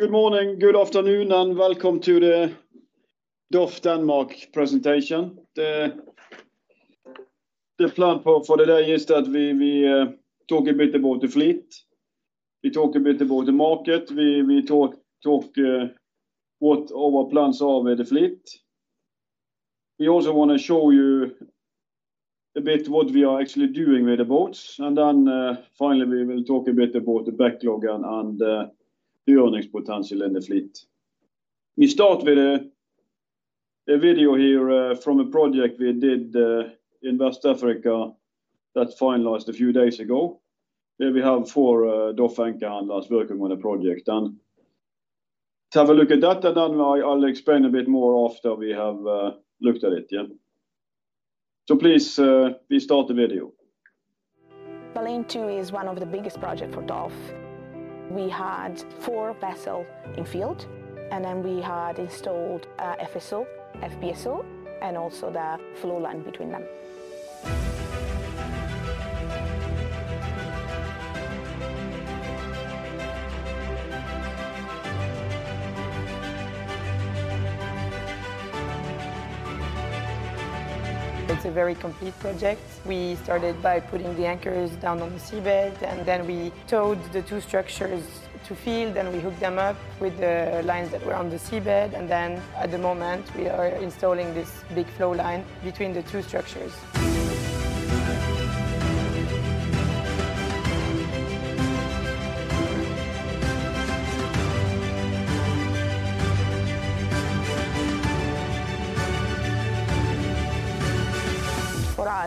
Good morning, good afternoon, and welcome to the DOF Denmark presentation. The plan for today is that we talk about the fleet. We talk about the market. We talk what our plans are with the fleet. We also want to show you a bit what we are actually doing with the boats, and then finally we will talk a bit about the backlog and the earnings potential in the fleet. We start with a video here from a project we did in West Africa that finalized a few days ago, where we have four DOF anchor handlers working on a project, and have a look at that, and then I'll explain a bit more after we have looked at it, yeah. So please, we start the video. Baleine 2 is one of the biggest projects for DOF. We had four vessels in field, and then we had installed FSO, FPSO, and also the flow line between them. It's a very complete project. We started by putting the anchors down on the seabed, and then we towed the two structures to field, and we hooked them up with the lines that were on the seabed, and then at the moment we are installing this big flow line between the two structures.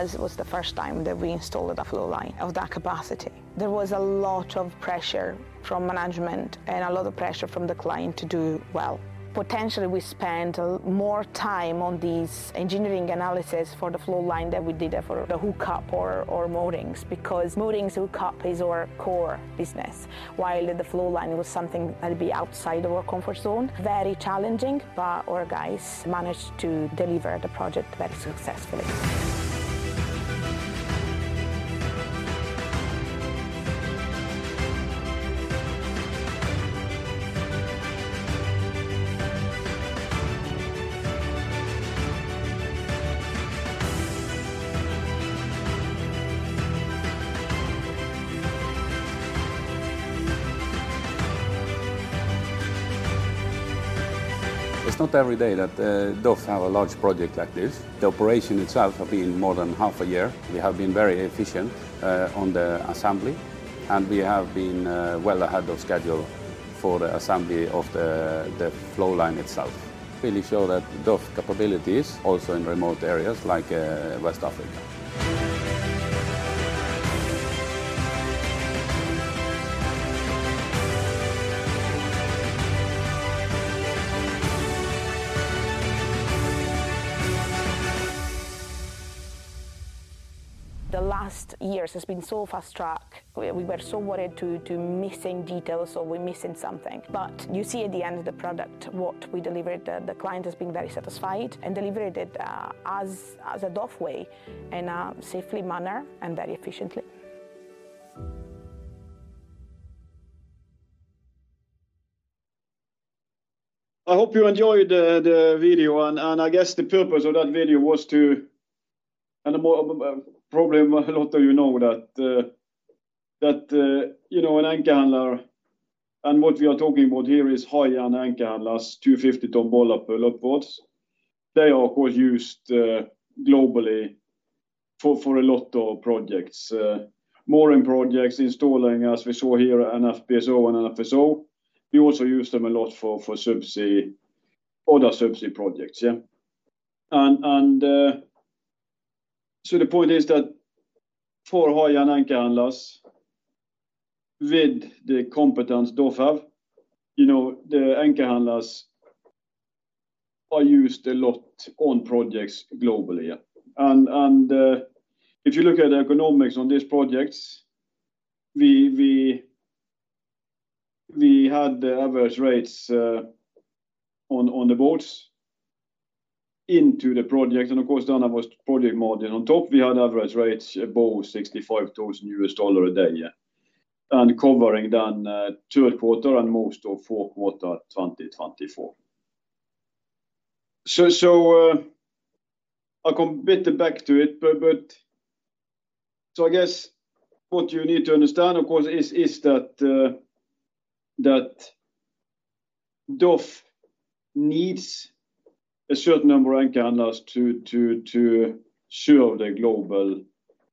For us, it was the first time that we installed a flow line of that capacity. There was a lot of pressure from management and a lot of pressure from the client to do well. Potentially, we spent more time on this engineering analysis for the flow line than we did for the hookup or moorings, because moorings and hookup is our core business, while the flow line was something that would be outside of our comfort zone. Very challenging, but our guys managed to deliver the project very successfully. It's not every day that DOF have a large project like this. The operation itself has been more than half a year. We have been very efficient on the assembly, and we have been well ahead of schedule for the assembly of the flow line itself. It really shows that DOF's capabilities also in remote areas like West Africa. The last years have been so fast-tracked. We were so worried about missing details or we're missing something. But you see at the end of the project what we delivered. The client has been very satisfied and we delivered it as a DOF way in a safe manner and very efficiently. I hope you enjoyed the video, and I guess the purpose of that video was to, and probably a lot of you know that, you know, an anchor handler, and what we are talking about here is high-end anchor handlers, 250-ton bollard pull boats. They are used globally for a lot of projects, mooring projects, installing as we saw here, an FPSO and an FSO. We also use them a lot for subsea, other subsea projects, yeah. And so the point is that for high-end anchor handlers, with the competence DOF have, you know, the anchor handlers are used a lot on projects globally. If you look at the economics on these projects, we had the average rates on the boats into the project, and of course then our project margin on top. We had average rates above $65,000 a day, and covering then third quarter and most of fourth quarter 2024. I'll come a bit back to it, but I guess what you need to understand, of course, is that DOF needs a certain number of anchor handlers to serve the global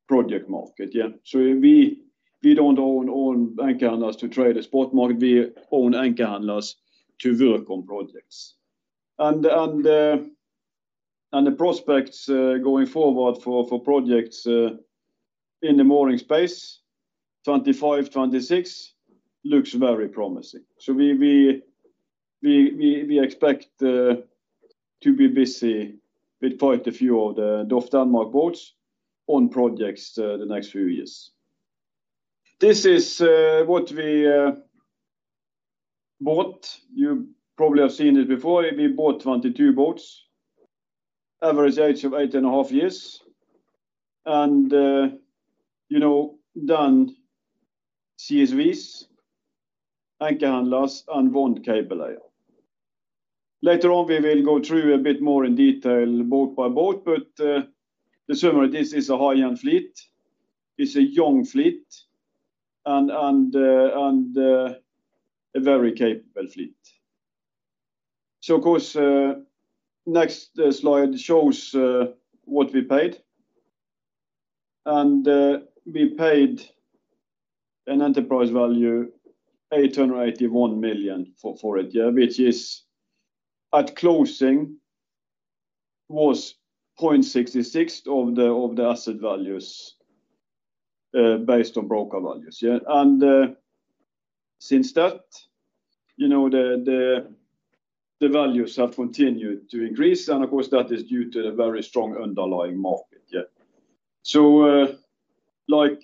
project market, yeah. We don't own anchor handlers to trade a spot market. We own anchor handlers to work on projects. The prospects going forward for projects in the mooring space, 2025, 2026, looks very promising. We expect to be busy with quite a few of the DOF Denmark boats on projects the next few years. This is what we bought, you probably have seen it before, we bought 22 boats, average age of 8.5 years, and you know, then CSVs, anchor handlers, and one cable layer. Later on we will go through a bit more in detail boat by boat, but the summary, this is a high-end fleet, it's a young fleet, and a very capable fleet. Of course, next slide shows what we paid, and we paid an enterprise value $881 million for it, yeah, which is at closing was 0.66 of the asset values based on broker values, yeah. And since that, you know, the values have continued to increase, and of course that is due to the very strong underlying market, yeah. Like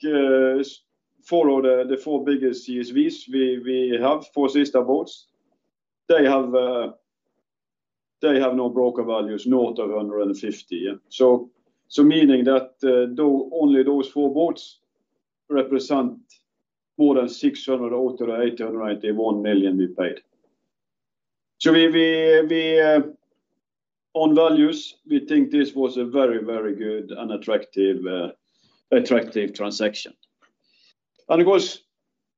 for the four biggest CSVs we have, CSV boats, they have now broker values of $150 million, yeah. So, meaning that only those four boats represent more than $681 million we paid. So on values, we think this was a very, very good and attractive transaction. And of course,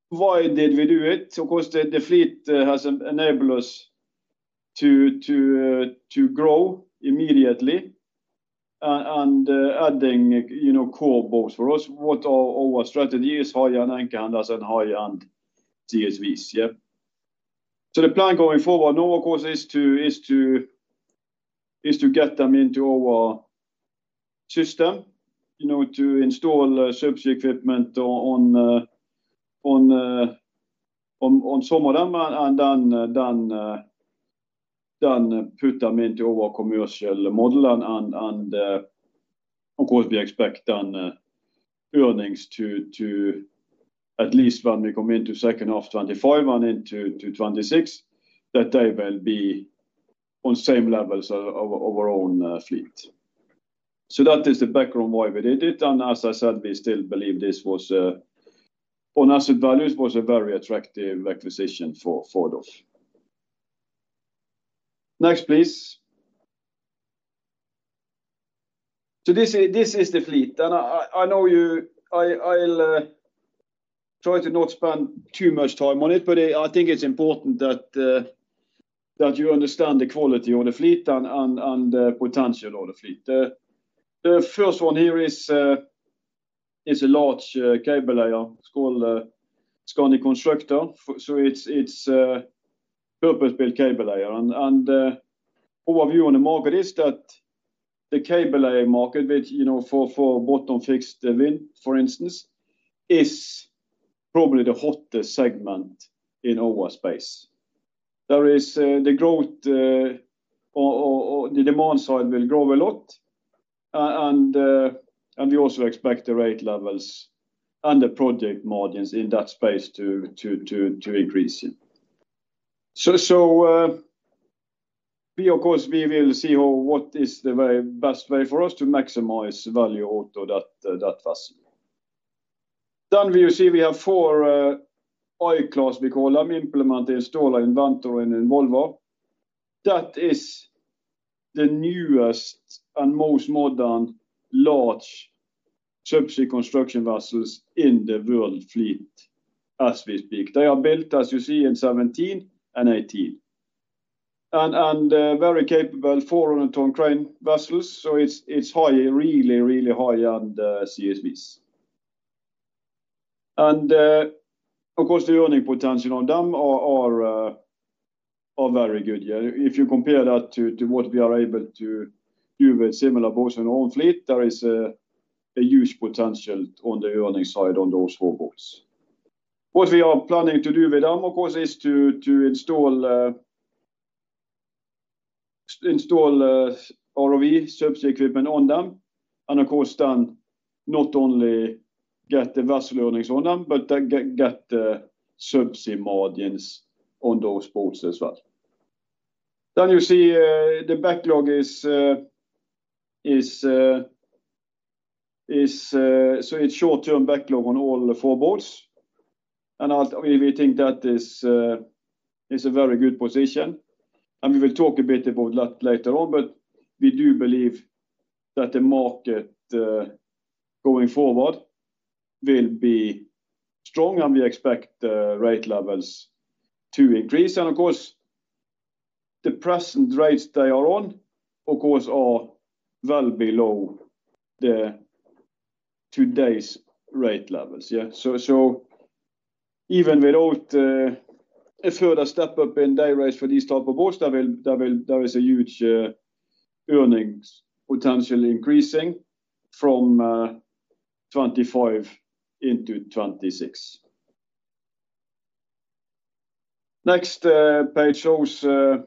why did we do it? Of course, the fleet has enabled us to grow immediately, and adding, you know, core boats for us, what our strategy is, high-end anchor handlers and high-end CSVs, yeah. So the plan going forward now, of course, is to get them into our system, you know, to install subsea equipment on some of them then, and then put them into our commercial model, and of course we expect then earnings to at least when we come into second half 2025 and into 2026, that they will be on same levels of our own fleet. So that is the background why we did it, and as I said, we still believe this was, on asset values, was a very attractive acquisition for DOF. Next, please. So this is the fleet, and I know you, I'll try to not spend too much time on it, but I think it's important that you understand the quality of the fleet and the potential of the fleet. The first one here is a large cable layer, Skandi Constructor, so it's purpose-built cable layer, and our view on the market is that the cable layer market, which, you know, for bottom-fixed wind, for instance, is probably the hottest segment in our space. There is the growth, the demand side will grow a lot, and we also expect the rate levels and the project margins in that space to increase. We, of course, will see what is the best way for us to maximize value out of that vessel. Then we will see we have four I-class, we call them, Implementer, Installer, Inventor, and Involver. That is the newest and most modern large subsea construction vessels in the world fleet, as we speak. They are built, as you see, in 2017 and 2018, and very capable 400-ton crane vessels, so it's high, really, really high-end CSVs. Of course, the earning potential on them are very good, yeah. If you compare that to what we are able to do with similar boats in our own fleet, there is a huge potential on the earning side on those four boats. What we are planning to do with them, of course, is to install ROV, subsea equipment on them, and of course then not only get the vessel earnings on them, but get the subsea margins on those boats as well. Then you see the backlog is, so it's short-term backlog on all four boats, and we think that is a very good position, and we will talk a bit about that later on, but we do believe that the market going forward will be strong, and we expect rate levels to increase, and of course, the present rates they are on, of course, are well below today's rate levels, yeah, so even without a further step up in day rates for these type of boats, there is a huge earnings potential increasing from 2025 into 2026. Next page shows the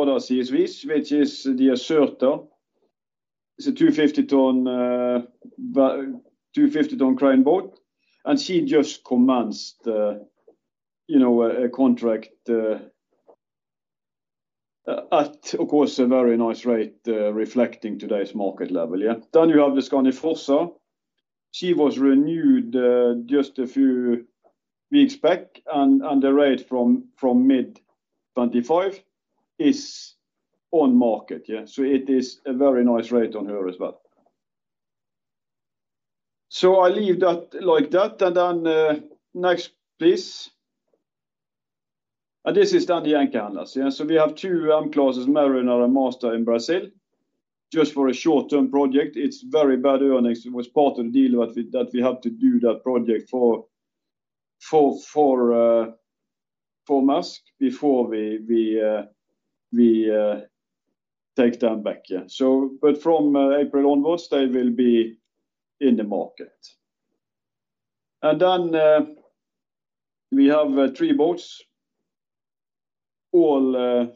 other CSVs, which is the Skandi Constructor. It's a 250-ton crane boat, and she just commenced, you know, a contract at, of course, a very nice rate reflecting today's market level, yeah. Then you have the Skandi Feistein. She was renewed just a few weeks back, and the rate from mid-2025 is on market, yeah, so it is a very nice rate on her as well, so I leave that like that, and then next, please. And this is then the anchor handlers, yeah. So we have two M classes, Maersk Mariner and Maersk Master in Brazil, just for a short-term project. It's very bad earnings. It was part of the deal that we had to do that project for Maersk before we take them back, yeah. So, but from April onwards, they will be in the market. And then we have three boats, all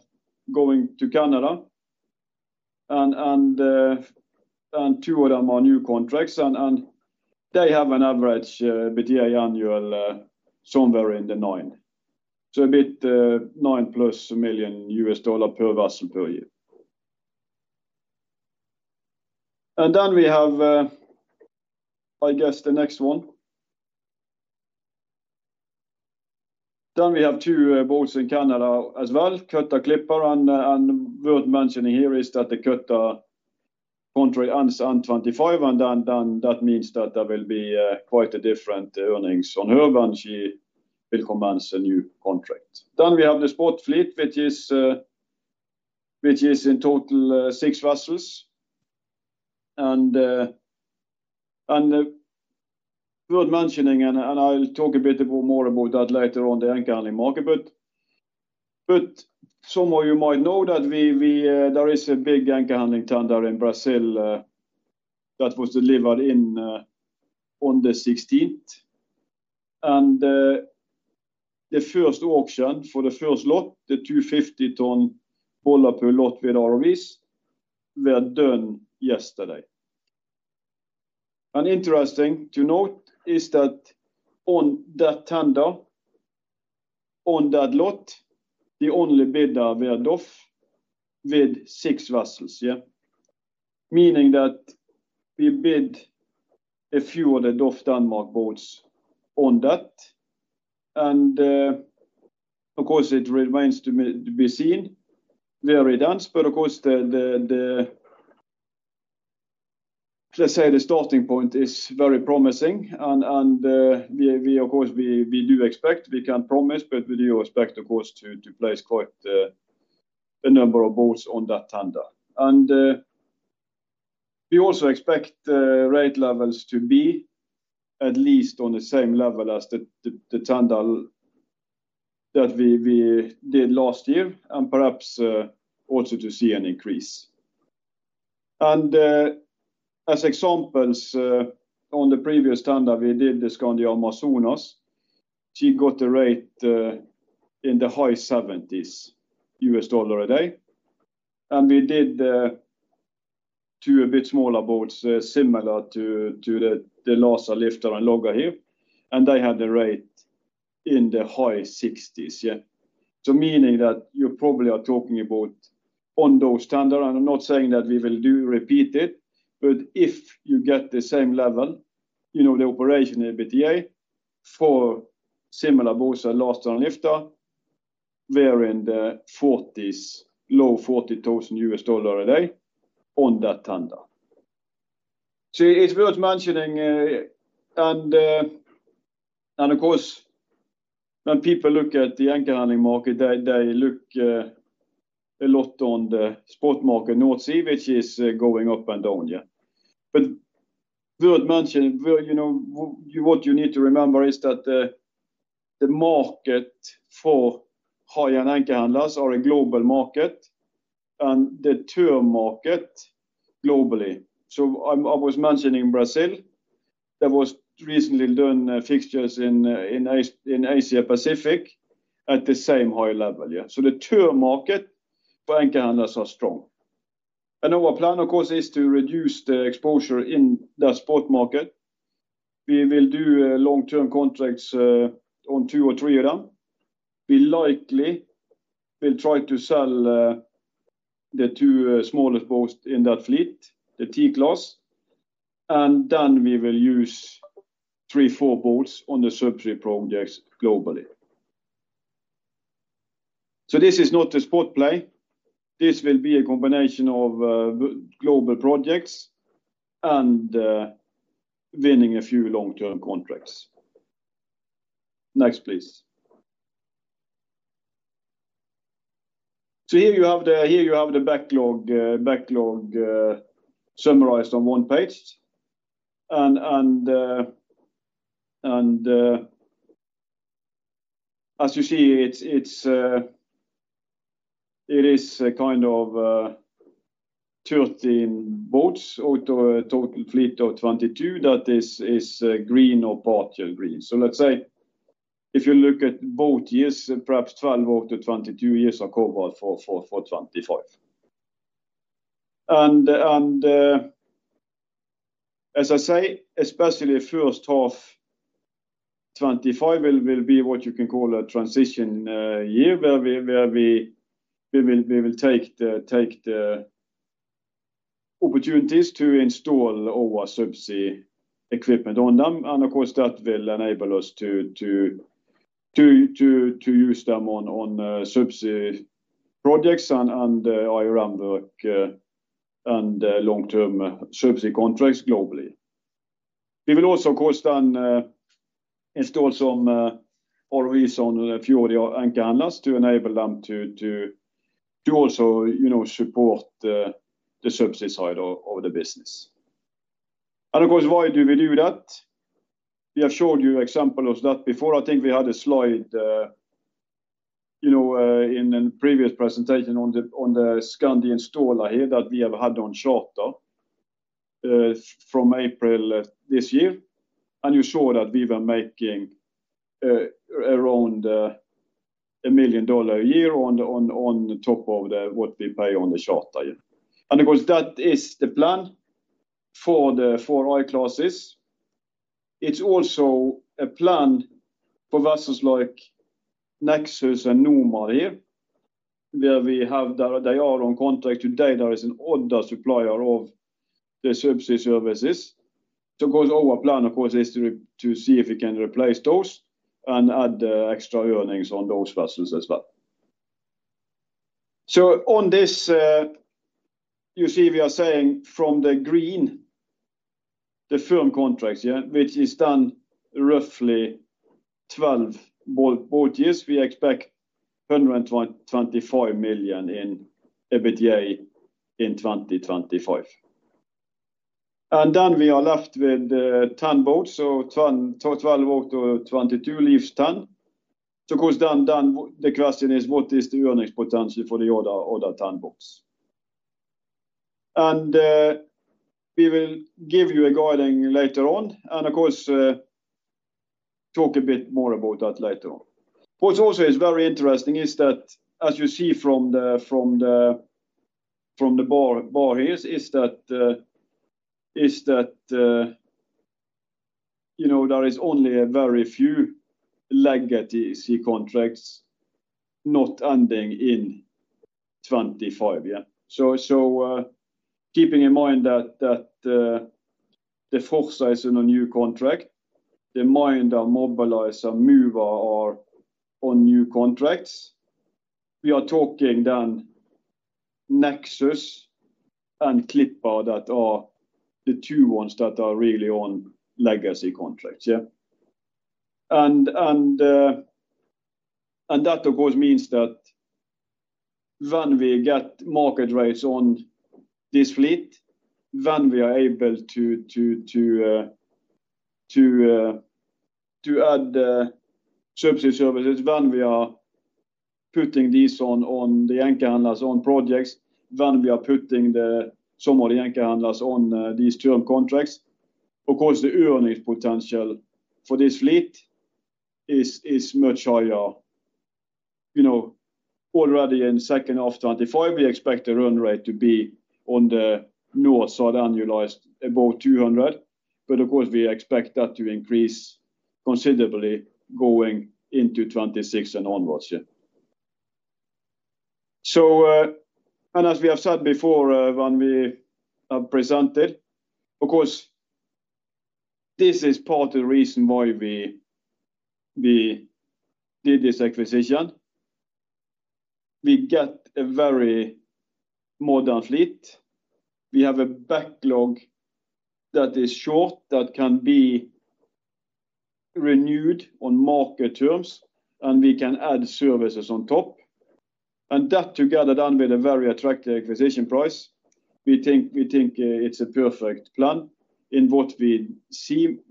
going to Canada, and two of them are new contracts, and they have an average EBITDA annual somewhere in the nine, so a bit $ 9+ million per vessel per year. And then we have, I guess, the next one. Then we have two boats in Canada as well, Cutter and Clipper, and worth mentioning here is that the Cutter contract ends in 2025, and then that means that there will be quite a different earnings on her, when she will commence a new contract. Then we have the Spot Fleet, which is in total six vessels, and worth mentioning, and I'll talk a bit more about that later on the anchor handling market, but some of you might know that there is a big anchor handling tender in Brazil that was delivered in on the 16th, and the first auction for the first lot, the 250-ton bollard pull lot with ROVs, were done yesterday. Interesting to note is that on that tender, on that lot, the only bidder were DOF with six vessels, yeah, meaning that we bid a few of the DOF Denmark boats on that, and of course it remains to be seen, very tense, but of course the, let's say, the starting point is very promising, and we, of course, we do expect, we can't promise, but we do expect, of course, to place quite a number of boats on that tender. We also expect rate levels to be at least on the same level as the tender that we did last year, and perhaps also to see an increase. As examples, on the previous tender we did, the Skandi Amazonas, she got a rate in the high $70,000s a day, and we did two a bit smaller boats similar to the Laser Lifter and Logger here, and they had a rate in the high $60,000s, yeah. Meaning that you probably are talking about on those tenders, and I'm not saying that we will repeat it, but if you get the same level, you know, the operation in EBITDA for similar boats, a Laser and Lifter, we're in the $40,000s, low $40,000 a day on that tender. It's worth mentioning, and of course, when people look at the anchor handling market, they look a lot on the spot market North Sea, which is going up and down, yeah. Worth mentioning, you know, what you need to remember is that the market for high-end anchor handlers are a global market, and the term market globally. So I was mentioning Brazil. There was recently done fixtures in Asia Pacific at the same high level, yeah. So the term market for anchor handlers are strong. And our plan, of course, is to reduce the exposure in that spot market. We will do long-term contracts on two or three of them. We likely will try to sell the two smallest boats in that fleet, the T class, and then we will use three, four boats on the subsea projects globally. So this is not a spot play. This will be a combination of global projects and winning a few long-term contracts. Next, please. So here you have the backlog summarized on one page, and as you see, it is a kind of 13 boats out of a total fleet of 22 that is green or partial green. So let's say, if you look at boat years, perhaps 12 out of 22 years are covered for 2025. And as I say, especially the first half 2025 will be what you can call a transition year where we will take the opportunities to install our subsea equipment on them, and of course that will enable us to use them on subsea projects and higher-end work and long-term subsea contracts globally. We will also, of course, then install some ROVs on the few of the anchor handlers to enable them to also support the subsea side of the business. And of course, why do we do that? We have showed you examples of that before. I think we had a slide, you know, in a previous presentation on the Skandi Installer here that we have had on charter from April this year, and you saw that we were making around $1 million a year on top of what we pay on the charter, yeah. And of course, that is the plan for I classes. It's also a plan for vessels like Nexus and Nomad here, where we have their own contract. Today, there is another supplier of the subsea services. So of course, our plan, of course, is to see if we can replace those and add extra earnings on those vessels as well. So on this, you see we are saying from the green, the firm contracts, yeah, which is then roughly 12 boat years, we expect $125 million in EBITDA in 2025. And then we are left with 10 boats, so 12 out of 22 leaves 10. So of course, then the question is, what is the earnings potential for the other 10 boats? And we will give you guidance later on, and of course, talk a bit more about that later on. What's also very interesting is that, as you see from the bar here, is that, you know, there is only a very few legacy contracts not ending in 2025, yeah. So keeping in mind that the Feistein is on a new contract, the Minder, Mobiliser, Mover are on new contracts. We are talking then Nexus and Clipper that are the two ones that are really on legacy contracts, yeah. And that, of course, means that when we get market rates on this fleet, then we are able to add subsea services. When we are putting these on the anchor handlers on projects, then we are putting some of the anchor handlers on these term contracts. Of course, the earnings potential for this fleet is much higher. You know, already in second half 2025, we expect the run rate to be on the north side annualized above 200, but of course, we expect that to increase considerably going into 2026 and onwards, yeah. So, and as we have said before when we have presented, of course, this is part of the reason why we did this acquisition. We get a very modern fleet. We have a backlog that is short that can be renewed on market terms, and we can add services on top. That together, then with a very attractive acquisition price, we think it's a perfect plan in what we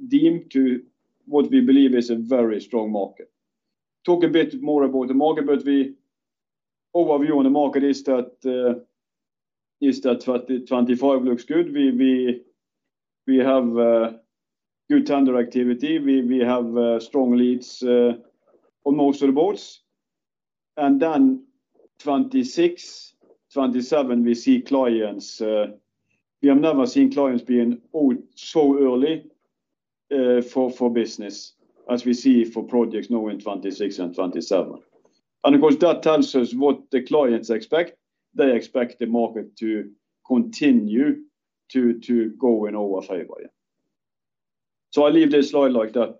deem to, what we believe is a very strong market. Talk a bit more about the market, but our view on the market is that 2025 looks good. We have good tender activity. We have strong leads on most of the boats. Then 2026, 2027, we see clients. We have never seen clients being so early for business as we see for projects now in 2026 and 2027. And of course, that tells us what the clients expect. They expect the market to continue to go in our favor, yeah. So I leave this slide like that.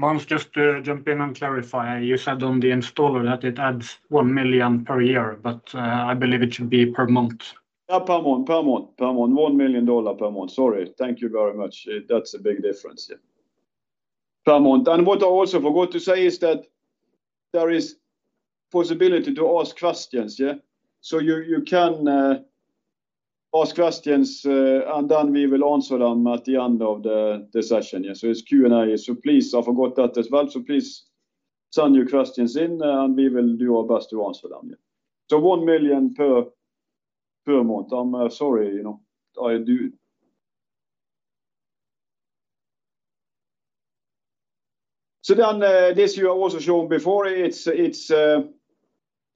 Mons, just jump in and clarify. You said on the installer that it adds one million per year, but I believe it should be per month. Yeah, per month, per month, per month. $1 million per month. Sorry. Thank you very much. That's a big difference, yeah. Per month. And what I also forgot to say is that there is possibility to ask questions, yeah. So you can ask questions, and then we will answer them at the end of the session, yeah. So it's Q&A. So please, I forgot that as well. So please send your questions in, and we will do our best to answer them, yeah. So $1 million per month. I'm sorry, you know. So then this you are also showing before. It's.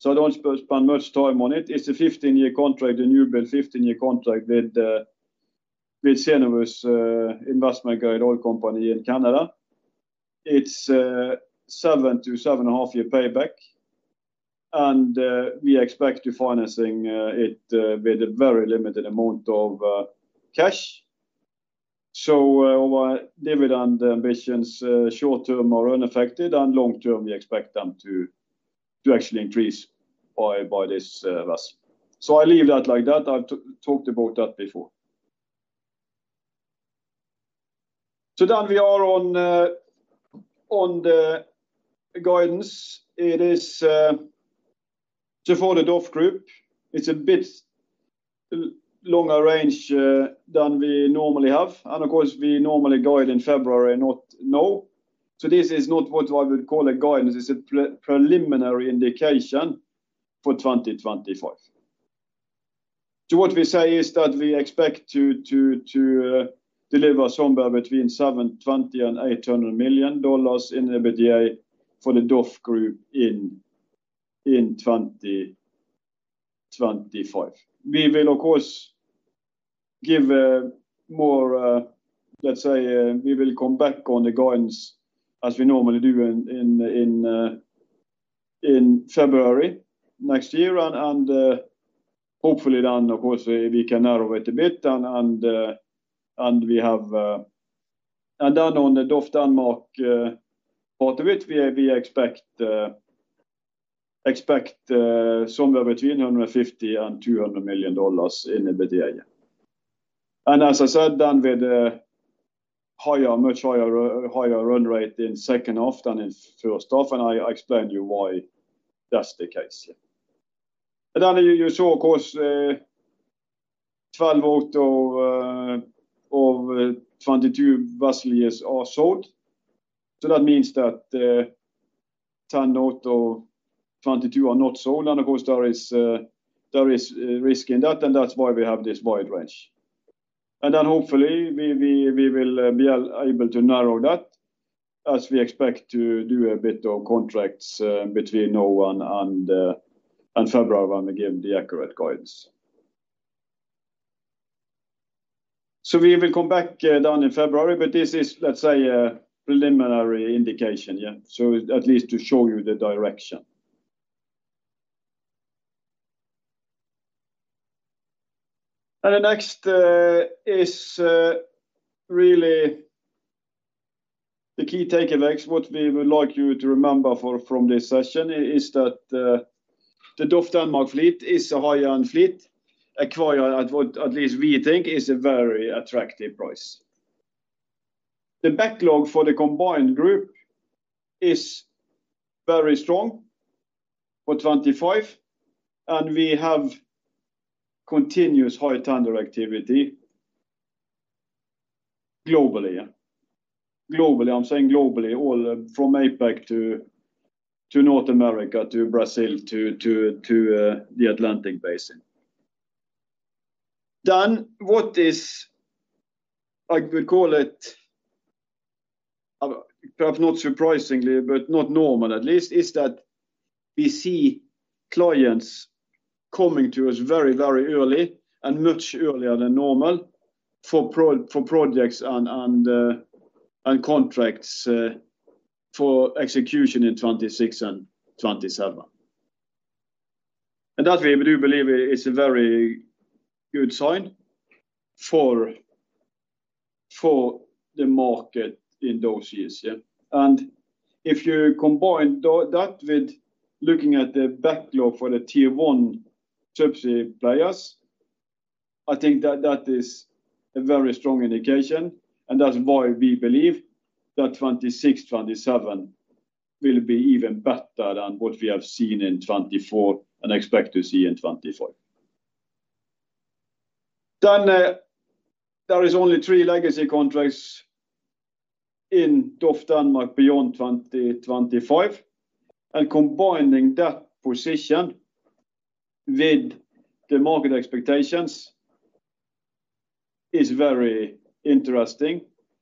So I don't spend much time on it. It's a 15-year contract, a new build 15-year contract with Cenovus Investment-Grade Oil Company in Canada. It's seven to seven and a half year payback, and we expect to financing it with a very limited amount of cash. So our dividend ambitions short term are unaffected, and long term we expect them to actually increase by this vessel. So I leave that like that. I've talked about that before. So then we are on the guidance. It is to follow the DOF Group. It's a bit longer range than we normally have, and of course, we normally guide in February, not now. So this is not what I would call a guidance. It's a preliminary indication for 2025. So what we say is that we expect to deliver somewhere between $720 million and $800 million in the EBITDA for the DOF Group in 2025. We will, of course, give more, let's say, we will come back on the guidance as we normally do in February next year, and hopefully then, of course, we can narrow it a bit, and we have, and then on the DOF Denmark part of it, we expect somewhere between $150 million and $200 million in the EBITDA, yeah. And as I said, then with a higher, much higher run rate in second half than in first half, and I explained to you why that's the case, yeah. And then you saw, of course, 12 out of 22 vessels are sold. So that means that 10 out of 22 are not sold, and of course, there is risk in that, and that's why we have this wide range. Then hopefully, we will be able to narrow that as we expect to do a bit of contracts between now and February when we give the accurate guidance so we will come back then in February, but this is, let's say, a preliminary indication, yeah, so at least to show you the direction. The next is really the key takeaways. What we would like you to remember from this session is that the DOF Denmark fleet is a high-end fleet at a quite attractive price, at least we think. The backlog for the combined group is very strong for 2025, and we have continuous high tender activity globally, yeah. Globally, I'm saying globally, all from APAC to North America to Brazil to the Atlantic Basin. Then what is, I would call it, perhaps not surprisingly, but not normal at least, is that we see clients coming to us very, very early and much earlier than normal for projects and contracts for execution in 2026 and 2027. And that we do believe is a very good sign for the market in those years, yeah. And if you combine that with looking at the backlog for the Tier 1 subsea players, I think that that is a very strong indication, and that's why we believe that 2026, 2027 will be even better than what we have seen in 2024 and expect to see in 2025. Then there is only three legacy contracts in DOF Denmark beyond 2025, and combining that position with the market expectations is very interesting,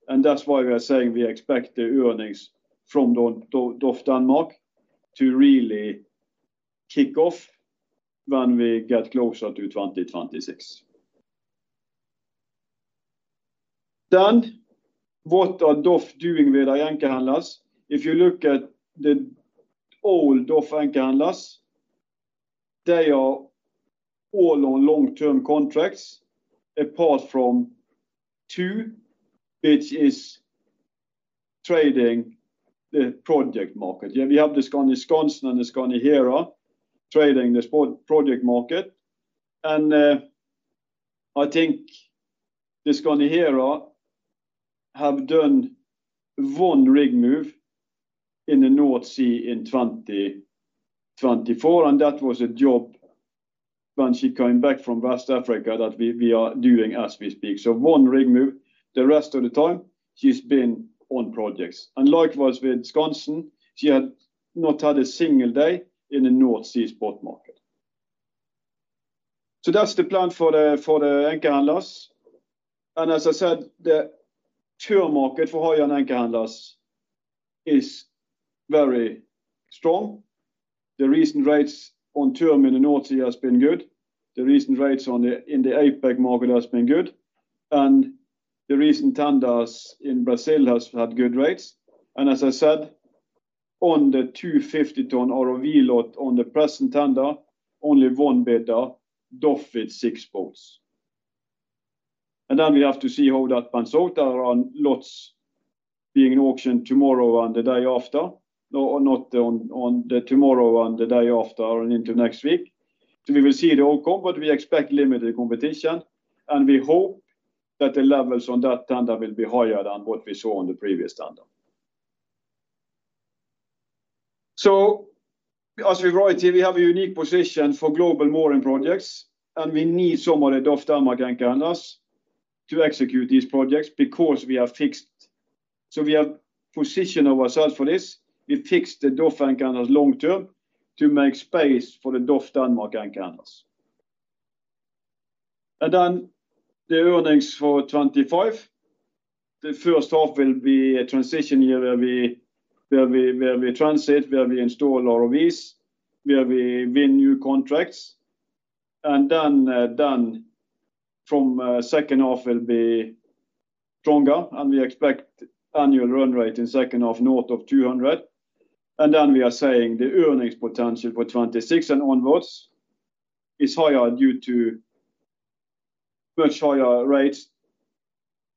and that's why we are saying we expect the earnings from DOF Denmark to really kick off when we get closer to 2026. Then what are DOF doing with our anchor handlers? If you look at the old DOF anchor handlers, they are all on long-term contracts apart from two, which is trading the project market, yeah. We have the Skandi Skansen and the Skandi Hera, trading the project market. And I think the Skandi Hera have done one rig move in the North Sea in 2024, and that was a job when she came back from West Africa that we are doing as we speak. So one rig move. The rest of the time, she's been on projects. Likewise with Skandi Skansen, she had not had a single day in the North Sea spot market. That's the plan for the anchor handlers. As I said, the term market for high-end anchor handlers is very strong. The recent rates on term in the North Sea have been good. The recent rates in the APAC market have been good. As I said, on the 250-ton ROV lot on the present tender, only one bidder, DOF, with six boats. We have to see how that pans out. There are lots being auctioned tomorrow and the day after, not only tomorrow and the day after and into next week. So we will see the outcome, but we expect limited competition, and we hope that the levels on that tender will be higher than what we saw on the previous tender. So as we write here, we have a unique position for global mooring projects, and we need some of the DOF Denmark anchor handlers to execute these projects because we have fixed. So we have positioned ourselves for this. We fixed the DOF anchor handlers long term to make space for the DOF Denmark anchor handlers. And then the earnings for 2025, the first half will be a transition year where we transit, where we install ROVs, where we win new contracts. And then from second half will be stronger, and we expect annual run rate in second half north of 200. And then we are saying the earnings potential for 2026 and onwards is higher due to much higher rates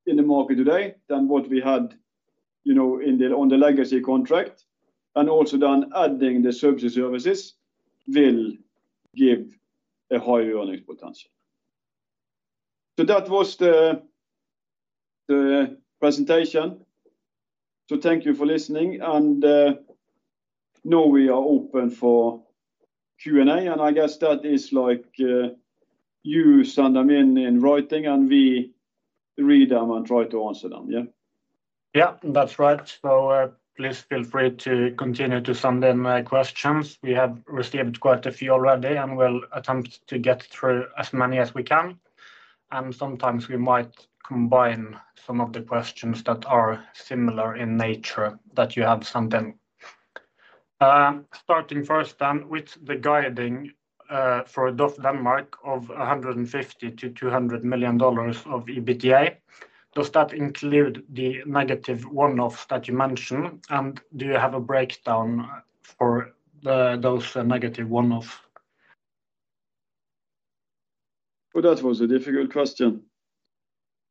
in the market today than what we had in the legacy contract. And also then adding the subsea services will give a higher earnings potential. So that was the presentation. So thank you for listening, and now we are open for Q&A, and I guess that is like you send them in in writing, and we read them and try to answer them, yeah. Yeah, that's right. So please feel free to continue to send in questions. We have received quite a few already, and we'll attempt to get through as many as we can. And sometimes we might combine some of the questions that are similar in nature that you have sent in. Starting first then with the guidance for DOF Denmark of $150 million-$200 million of EBITDA. Does that include the negative one-offs that you mentioned, and do you have a breakdown for those negative one-offs? Well, that was a difficult question.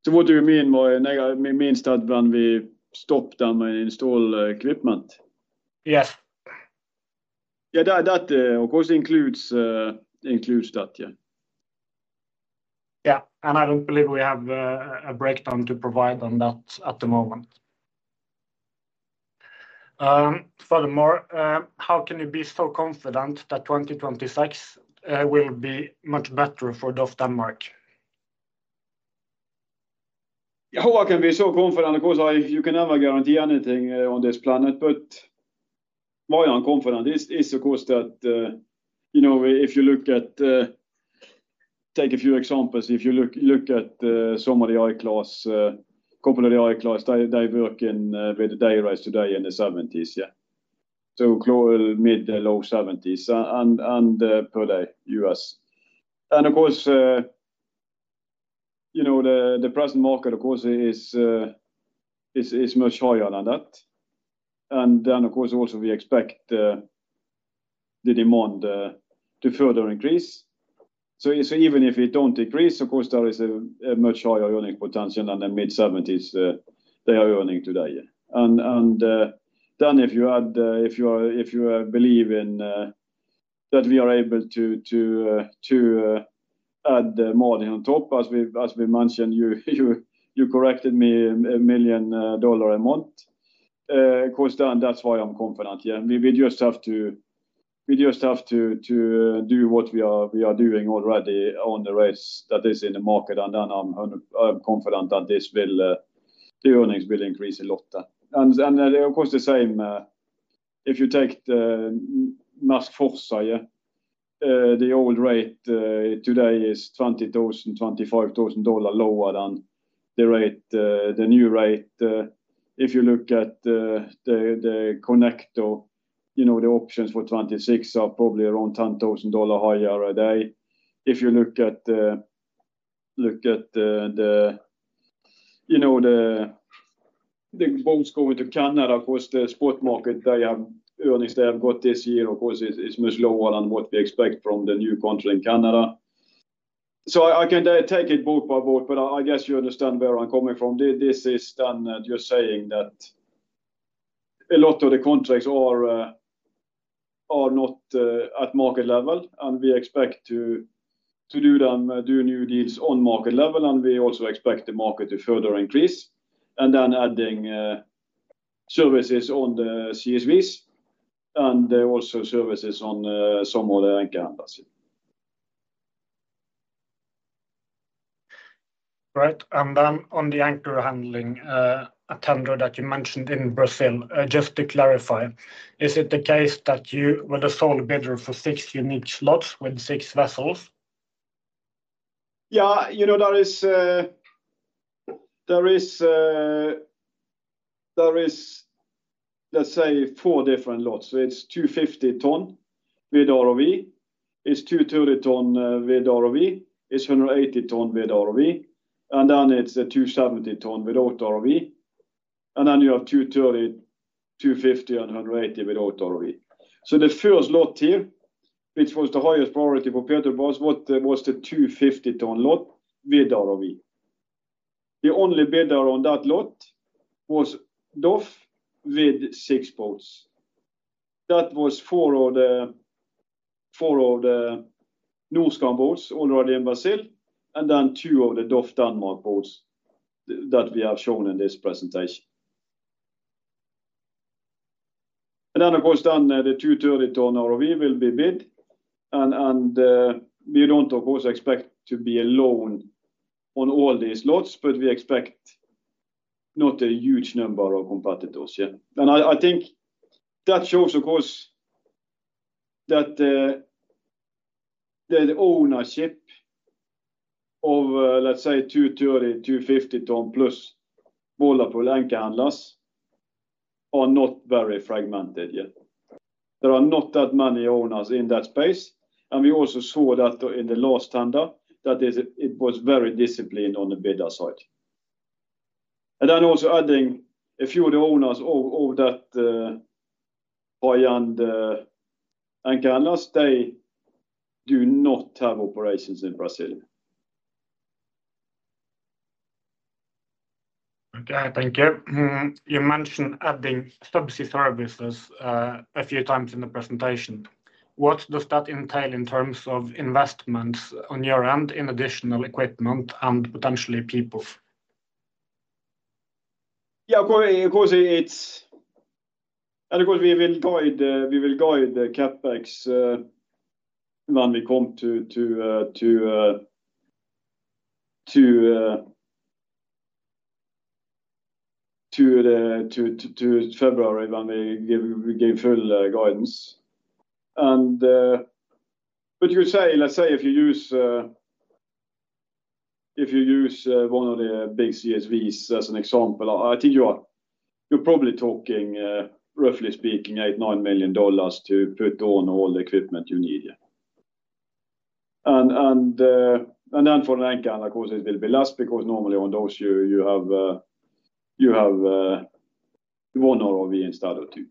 So what do you mean by negative? It means that when we stop them and install equipment. Yes. Yeah, that of course includes that, yeah. Yeah, and I don't believe we have a breakdown to provide on that at the moment. Furthermore, how can you be so confident that 2026 will be much better for DOF Denmark? Yeah, how I can be so confident, of course, you can never guarantee anything on this planet, but why I'm confident is, of course, that if you look at, take a few examples, if you look at some of the I-class, Maersk I-class, they work in with the day rates today in the 70s, yeah. So mid- to low-70s per day, U.S. Of course, the present market, of course, is much higher than that. Of course, also we expect the demand to further increase. Even if it don't increase, of course, there is a much higher earnings potential than the mid-70s they are earning today. If you believe in that we are able to add more than on top, as we mentioned, you corrected me $1 million a month. Of course, then that's why I'm confident, yeah. We just have to do what we are doing already on the rates that is in the market, and then I'm confident that the earnings will increase a lot. Of course, the same. If you take the Maersk Forza, the old rate today is $20,000-$25,000 lower than the new rate. If you look at the Connector, the options for 2026 are probably around $10,000 higher a day. If you look at the boats going to Canada, of course, the spot market, the earnings they have got this year, of course, is much lower than what we expect from the new contract in Canada. So I can take it both by both, but I guess you understand where I'm coming from. This is then you're saying that a lot of the contracts are not at market level, and we expect to do new deals on market level, and we also expect the market to further increase, and then adding services on the CSVs and also services on some of the anchor handlers. Right. Then on the anchor handling, a tender that you mentioned in Brazil, just to clarify, is it the case that you were the sole bidder for six unique slots with six vessels? Yeah, there is, let's say, four different lots. So it's 250 ton with ROV. It's 230 ton with ROV. It's 180 ton with ROV. And then it's 270 ton without ROV. And then you have 230, 250, and 180 without ROV. So the first lot here, which was the highest priority for Petrobras, was the 250-ton lot with ROV. The only bidder on that lot was DOF with six boats. That was four of the Norskan boats already in Brazil, and then two of the DOF Denmark boats that we have shown in this presentation. Then, of course, then the 230-ton bollard pull will be bid, and we don't, of course, expect to be alone on all these lots, but we expect not a huge number of competitors, yeah. I think that shows, of course, that the ownership of, let's say, 230, 250-ton plus bollard anchor handlers are not very fragmented, yeah. There are not that many owners in that space, and we also saw that in the last tender that it was very disciplined on the bidder side. Then also adding a few of the owners of that high-end anchor handlers, they do not have operations in Brazil. Okay, thank you. You mentioned adding subsea services a few times in the presentation. What does that entail in terms of investments on your end in additional equipment and potentially people? Yeah, of course, and of course, we will guide CapEx when we come to February when we give full guidance. And but you say, let's say, if you use one of the big CSVs as an example, I think you're probably talking, roughly speaking, $8 million-$9 million to put on all the equipment you need, yeah. And then for an anchor handler, of course, it will be less because normally on those you have one ROV instead of two.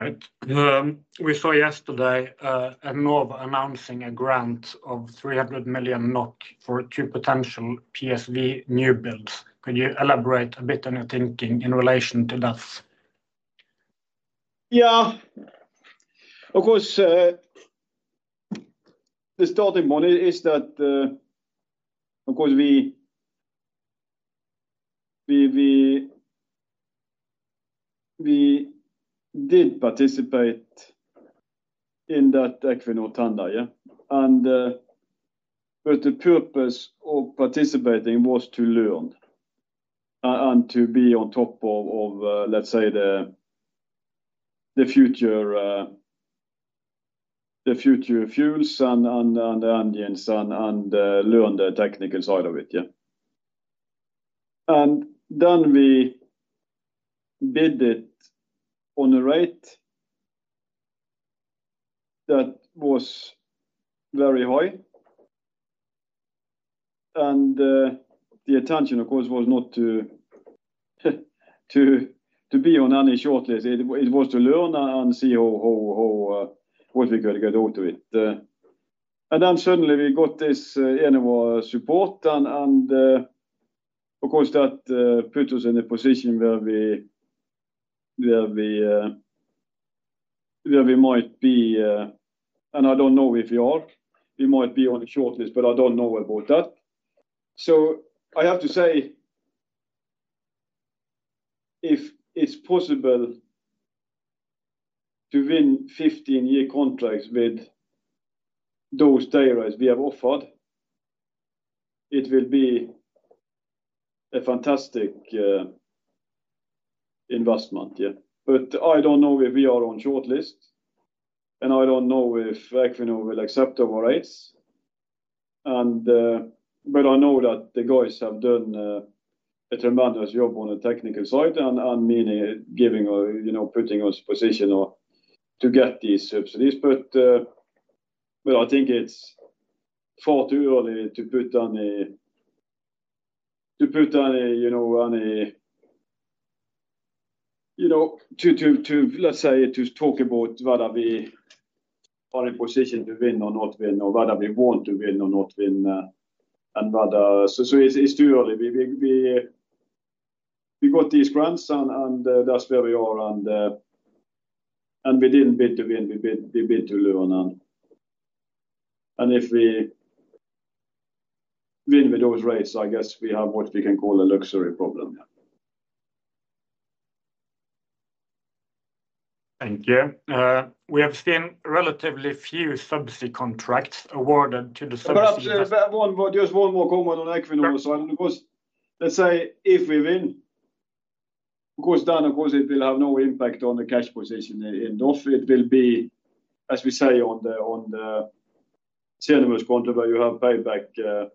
Right. We saw yesterday Enova announcing a grant of 300 million NOK for two potential PSV new builds. Could you elaborate a bit on your thinking in relation to that? Yeah. Of course, the starting point is that, of course, we did participate in that Equinor tender, yeah. The purpose of participating was to learn and to be on top of, let's say, the future fuels and the engines and learn the technical side of it, yeah. Then we bid it on a rate that was very high. The intention, of course, was not to be on any shortlist. It was to learn and see what we could get out of it. Then suddenly we got this Enova support, and of course, that put us in a position where we might be, and I don't know if we are, we might be on a shortlist, but I don't know about that. I have to say, if it's possible to win 15-year contracts with those day rates we have offered, it will be a fantastic investment, yeah. But I don't know if we are on shortlist, and I don't know if Equinor will accept our rates. But I know that the guys have done a tremendous job on the technical side and meaning giving or putting us position to get these subsidies. But I think it's far too early to, let's say, to talk about whether we are in position to win or not win or whether we want to win or not win and whether. So it's too early. We got these grants, and that's where we are, and we didn't bid to win. We bid to learn. And if we win with those rates, I guess we have what we can call a luxury problem, yeah. Thank you. We have seen relatively few subsea contracts awarded to the subsea business. Just one more comment on Equinor. Of course, let's say if we win, of course, then of course it will have no impact on the cash position in DOF. It will be, as we say, on the Cenovus counter where you have payback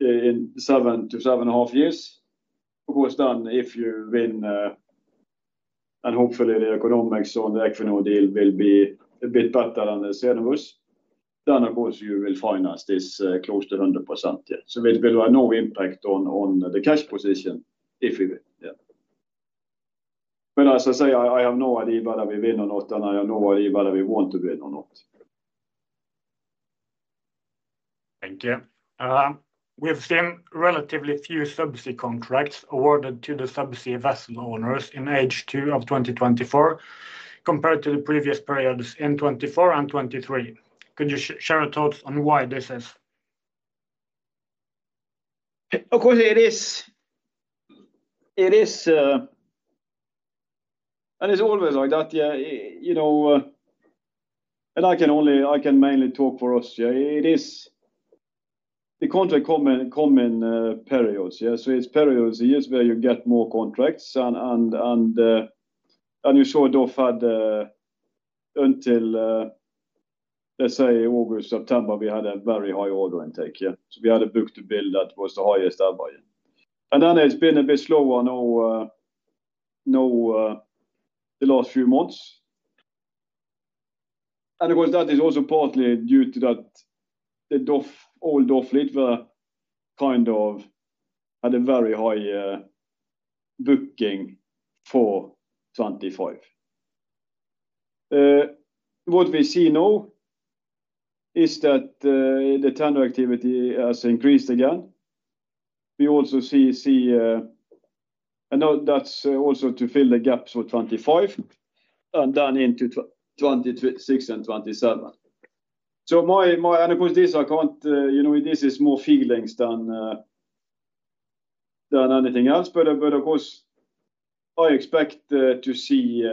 in seven to seven and a half years. Of course, then if you win, and hopefully the economics on the Equinor deal will be a bit better than the Cenovus, then of course you will finance this close to 100%, yeah. It will have no impact on the cash position if we win, yeah. As I say, I have no idea whether we win or not, and I have no idea whether we want to win or not. Thank you. We have seen relatively few subsea contracts awarded to the subsea vessel owners in H2 of 2024 compared to the previous periods in 2024 and 2023. Could you share your thoughts on why this is? Of course, it is, and it's always like that, yeah. And I can mainly talk for us, yeah. It is the contracting common periods, yeah. So it's periods, years where you get more contracts, and you saw DOF had until, let's say, August, September, we had a very high order intake, yeah. So we had a book-to-bill that was the highest ever, yeah. And then it's been a bit slower now the last few months. And of course, that is also partly due to that the old DOF fleet were kind of had a very high booking for 2025. What we see now is that the tender activity has increased again. We also see, and that's also to fill the gaps for 2025 and then into 2026 and 2027. So, my and of course, this account, this is more feelings than anything else, but of course, I expect to see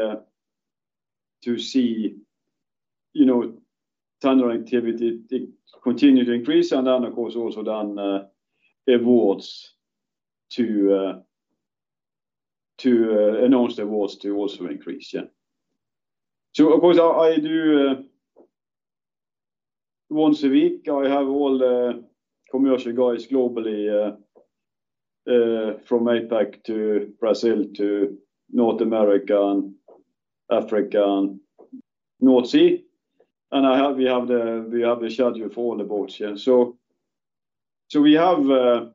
tender activity continue to increase, and then of course also then awards to announce the awards to also increase, yeah. So of course, I do once a week, I have all commercial guys globally from APAC to Brazil to North America and Africa and North Sea, and we have the schedule for all the boats, yeah. So we have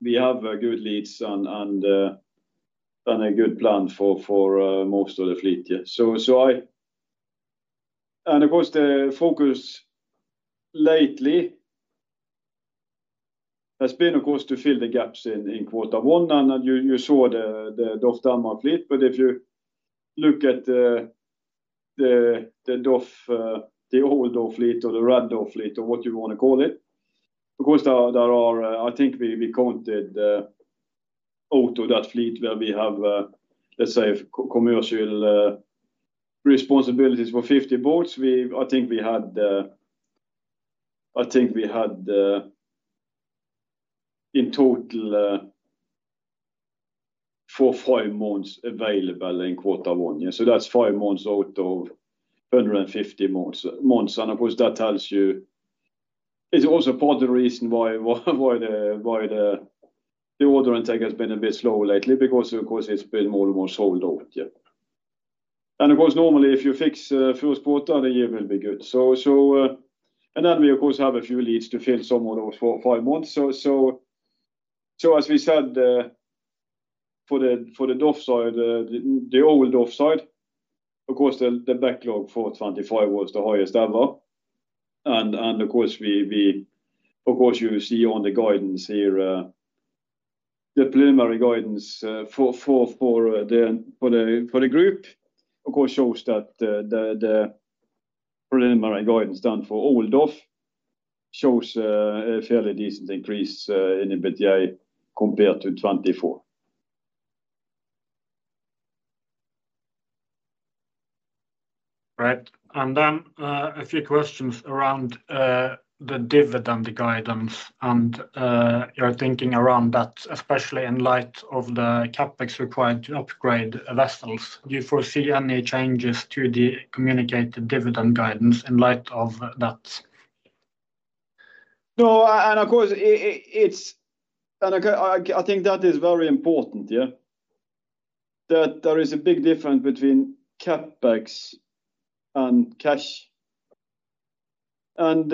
good leads and a good plan for most of the fleet, yeah. Of course, the focus lately has been, of course, to fill the gaps in quarter one, and you saw the DOF Denmark fleet, but if you look at the DOF, the old DOF fleet or the red DOF fleet or what you want to call it, of course, there are. I think we counted out of that fleet where we have, let's say, commercial responsibilities for 50 boats. I think we had in total for five months available in quarter one, yeah. So that's five months out of 150 months. And of course, that tells you it's also part of the reason why the order intake has been a bit slow lately because, of course, it's been more and more sold out, yeah. And of course, normally if you fix first quarter, the year will be good. And then we, of course, have a few leads to fill some of those five months. So as we said, for the DOF side, the old DOF side, of course, the backlog for 2025 was the highest ever. And of course, you see on the guidance here, the preliminary guidance for the group, of course, shows that the preliminary guidance done for old DOF shows a fairly decent increase in EBITDA compared to 2024. Right. And then a few questions around the dividend guidance and your thinking around that, especially in light of the CapEx required to upgrade vessels. Do you foresee any changes to the communicated dividend guidance in light of that? No, and of course, it's and I think that is very important, yeah, that there is a big difference between CapEx and cash. And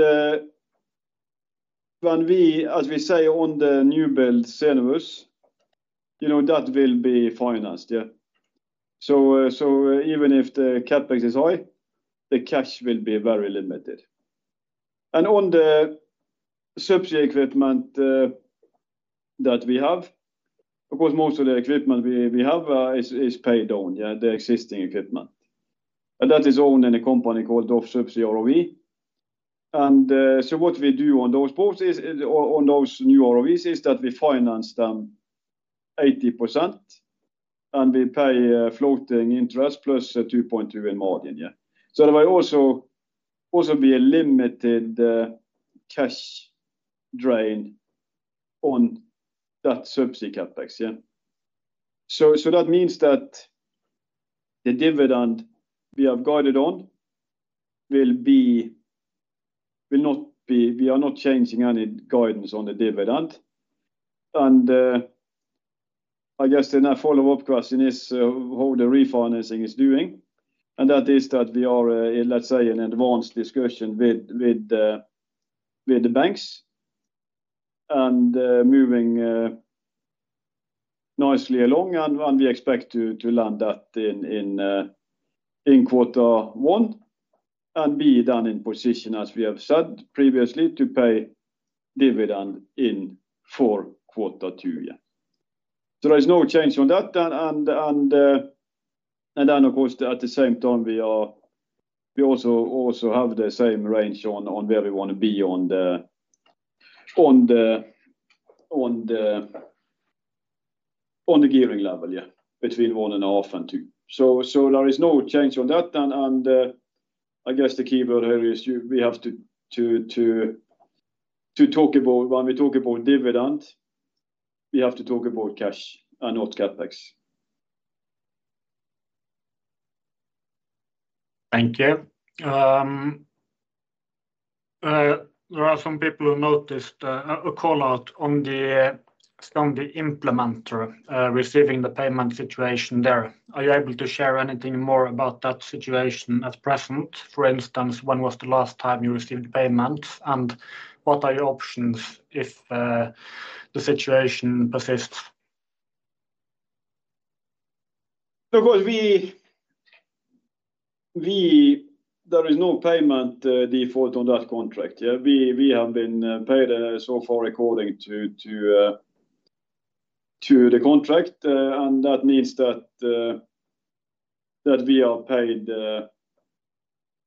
when we, as we say, on the new build Cenovus, that will be financed, yeah. So even if the CapEx is high, the cash will be very limited. And on the subsea equipment that we have, of course, most of the equipment we have is paid on, yeah, the existing equipment. And that is owned in a company called DOF Subsea ROV. And so what we do on those boats is, on those new ROVs, is that we finance them 80%, and we pay floating interest plus 2.2 in margin, yeah. So there will also be a limited cash drain on that subsea CapEx, yeah. So that means that the dividend we have guided on will not be. We are not changing any guidance on the dividend. And I guess the next follow-up question is how the refinancing is doing. That is that we are, let's say, in advanced discussion with the banks and moving nicely along, and we expect to land that in quarter one and be then in position, as we have said previously, to pay dividend in for quarter two, yeah. So there is no change on that. And then, of course, at the same time, we also have the same range on where we want to be on the gearing level, yeah, between one and a half and two. So there is no change on that. And I guess the key word here is we have to talk about when we talk about dividend, we have to talk about cash and not CapEx. Thank you. There are some people who noticed a call out on the Implementer receiving the payment situation there. Are you able to share anything more about that situation at present? For instance, when was the last time you received payment, and what are your options if the situation persists? Of course, there is no payment default on that contract, yeah. We have been paid so far according to the contract, and that means that we are paid.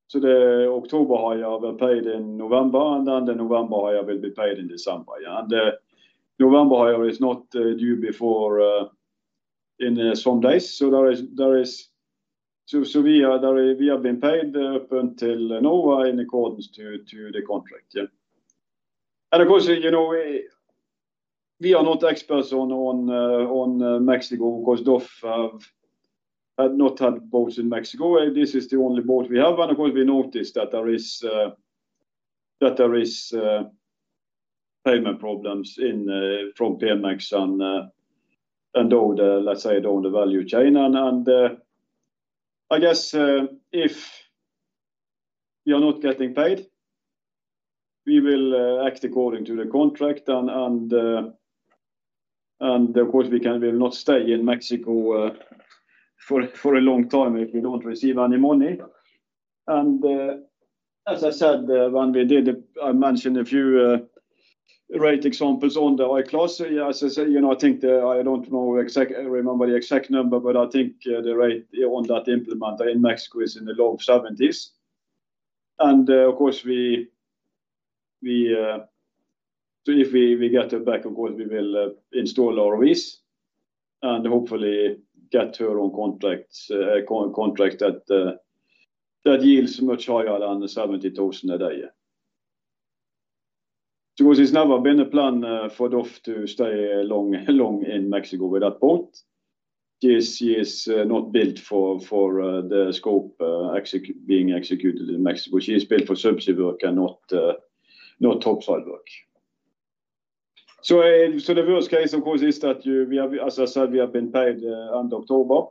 So the October hire will be paid in November, and then the November hire will be paid in December, yeah. And the November hire is not due before in some days. So there is, so we have been paid up until now in accordance to the contract, yeah. And of course, we are not experts on Mexico. Of course, DOF have not had boats in Mexico. This is the only boat we have. And of course, we noticed that there is payment problems from Pemex and, let's say, on the value chain. I guess if we are not getting paid, we will act according to the contract. Of course, we will not stay in Mexico for a long time if we don't receive any money. As I said, when we did, I mentioned a few rate examples on the high class. As I say, I think I don't remember the exact number, but I think the rate on that Implementer in Mexico is in the low $70,000s. Of course, if we get her back, of course, we will install ROVs and hopefully get her on contract that yields much higher than $70,000 a day, yeah. Of course, it's never been a plan for DOF to stay long in Mexico with that boat. She is not built for the scope being executed in Mexico. She is built for subsea work and not topside work. The worst case, of course, is that, as I said, we have been paid end of October.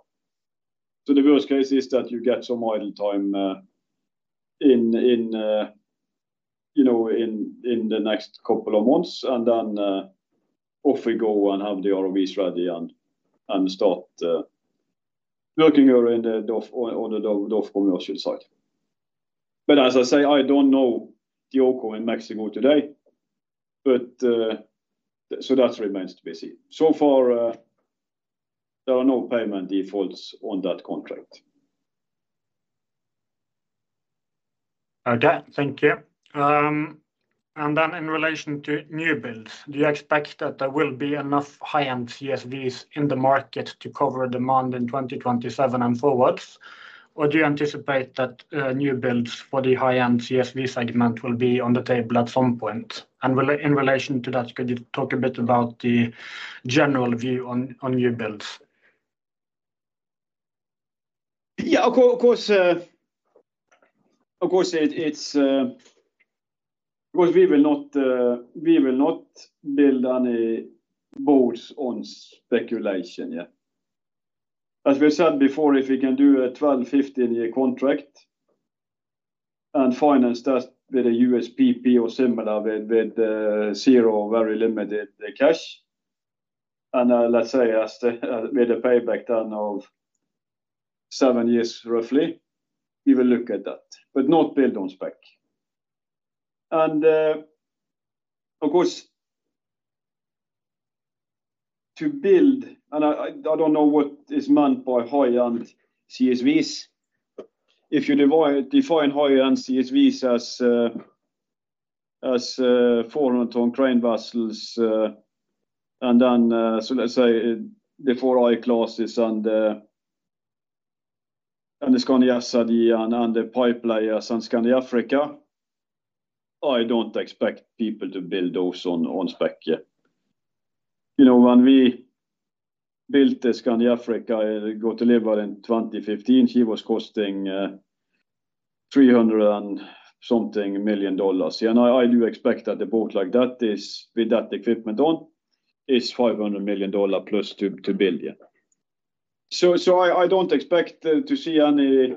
The worst case is that you get some idle time in the next couple of months, and then off we go and have the ROVs ready and start working on the DOF commercial side. But as I say, I don't know the outcome in Mexico today, but so that remains to be seen. So far, there are no payment defaults on that contract. Okay. Thank you. In relation to new builds, do you expect that there will be enough high-end CSVs in the market to cover demand in 2027 and forwards? Or do you anticipate that new builds for the high-end CSV segment will be on the table at some point? In relation to that, could you talk a bit about the general view on new builds? Yeah. Of course, of course, we will not build any boats on speculation, yeah. As we said before, if we can do a 12.5-year contract and finance that with a USPP or similar with zero very limited cash, and let's say with a payback done of seven years roughly, we will look at that, but not build on spec. And of course, to build, and I don't know what is meant by high-end CSVs. If you define high-end CSVs as 400-ton crane vessels and then, so let's say, the four I classes and the Skandi Acergy and the pipelayer Skandi Africa, I don't expect people to build those on spec, yeah. When we built the Skandi Africa, it got delivered in 2015. She was costing $300-something million. I do expect that a boat like that, with that equipment on, is $500 million plus to build, yeah. So I don't expect to see any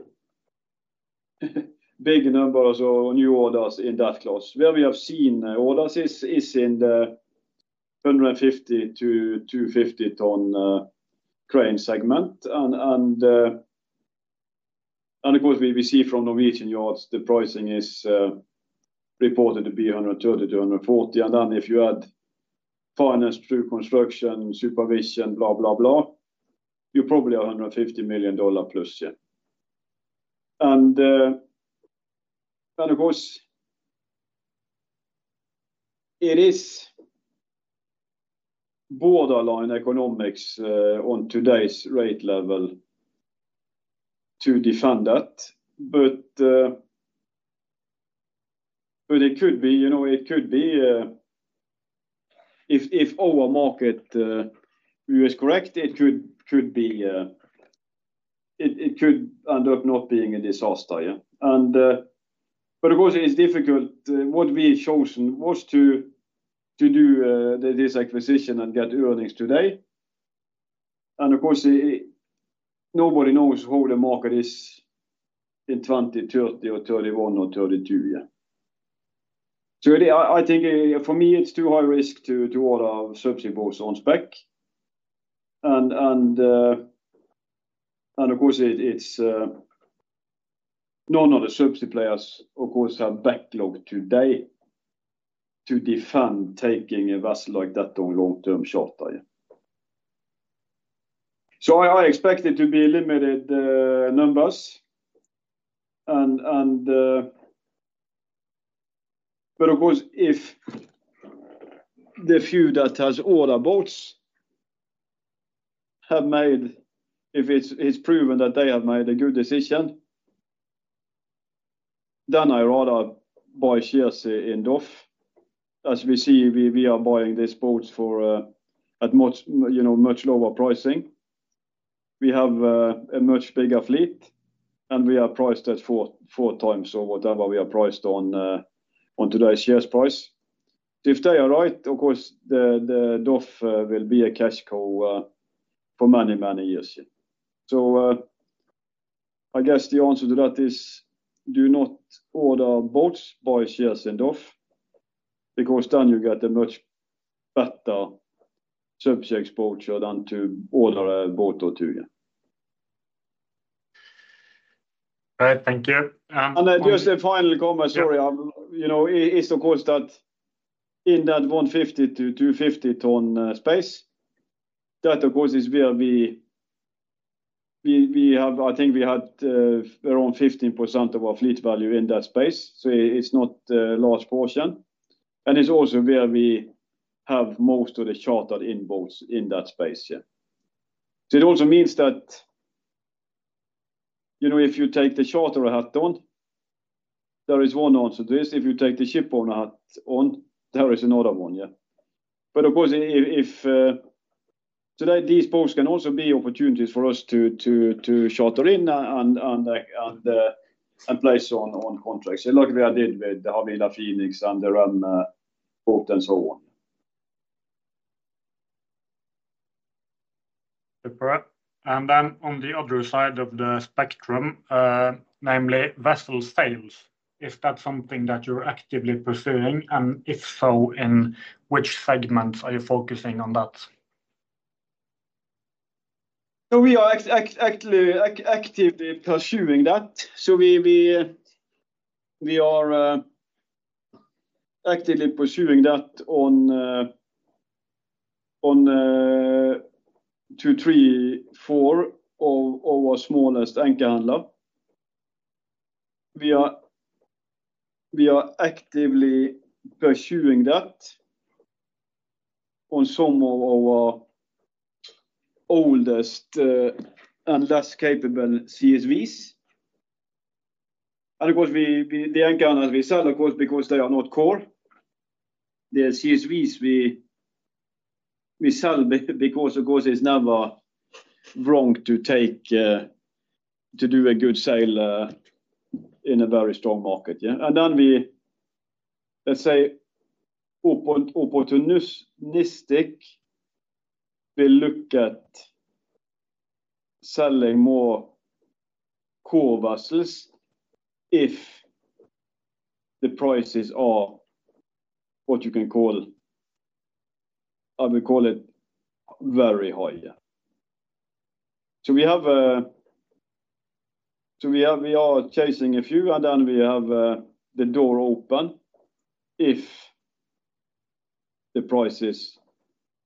big numbers or new orders in that class. Where we have seen orders is in the 150-250-ton crane segment. And of course, we see from Norwegian yards, the pricing is reported to be 130-140. And then if you add finance, true construction, supervision, blah, blah, blah, you probably are $150 million plus, yeah. And of course, it is borderline economics on today's rate level to defend that. But it could be, it could be, if our market view is correct, it could end up not being a disaster, yeah. But of course, it's difficult. What we chose was to do this acquisition and get earnings today. Of course, nobody knows how the market is in 2030 or 2031 or 2032, yeah. I think for me, it's too high risk to order subsea boats on spec. Of course, none of the subsea players, of course, have backlog today to defend taking a vessel like that on long-term charter, yeah. I expect it to be limited numbers. Of course, if the few that has ordered boats have made, if it's proven that they have made a good decision, then I'd rather buy shares in DOF. As we see, we are buying these boats at much lower pricing. We have a much bigger fleet, and we are priced at four times over whatever we are priced on today's share price. If they are right, of course, the DOF will be a cash cow for many, many years, yeah. I guess the answer to that is do not order boats, buy shares in DOF, because then you get a much better subsea exposure than to order a boat or two, yeah. All right. Thank you. Just a final comment, sorry. It's of course that in that 150-250-ton space, that of course is where we have, I think we had around 15% of our fleet value in that space. It's not a large portion. It's also where we have most of the chartered in boats in that space, yeah. It also means that if you take the charterer hat on, there is one answer to this. If you take the shipowner hat on, there is another one, yeah. But of course, today, these boats can also be opportunities for us to charter in and place on contracts, like we did with the Havila Phoenix and the REM boat and so on, yeah. Super. And then on the other side of the spectrum, namely vessel sales, is that something that you're actively pursuing? And if so, in which segments are you focusing on that? So we are actually actively pursuing that. So we are actively pursuing that on two, three, four of our smallest anchor handlers. We are actively pursuing that on some of our oldest and less capable CSVs. And of course, the anchor handlers we sell, of course, because they are not core. The CSVs we sell because, of course, it's never wrong to do a good sale in a very strong market, yeah. Then we, let's say, opportunistically will look at selling more core vessels if the prices are what you can call, I would call it very high, yeah. So we are chasing a few, and then we have the door open if the price is